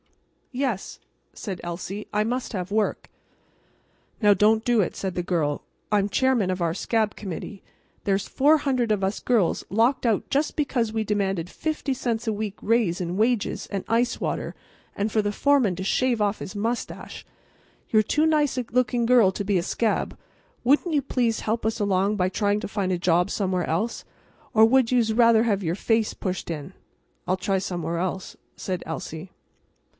"Yes," said Elsie; "I must have work." "Now don't do it," said the girl. "I'm chairman of our Scab Committee. There's 400 of us girls locked out just because we demanded 50 cents a week raise in wages, and ice water, and for the foreman to shave off his mustache. You're too nice a looking girl to be a scab. Wouldn't you please help us along by trying to find a job somewhere else, or would you'se rather have your face pushed in?" "I'll try somewhere else," said Elsie.